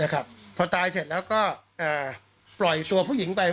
นะครับพอตายเสร็จแล้วก็เอ่อปล่อยตัวผู้หญิงไป